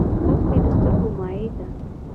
اوښکې د سترګو مایع ده